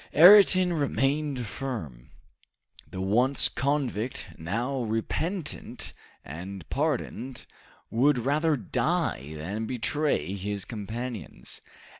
Ayrton remained firm. The once convict, now repentant and pardoned, would rather die than betray his companions.